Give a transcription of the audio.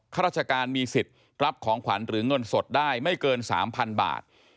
ข้าราชการมีสิทธิ์รับของขวัญหรือเงินสดได้ไม่เกิน๓๐๐๐บาท